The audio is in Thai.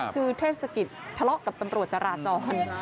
คือเทศกิจทะเลาะกับตำรวจจราจร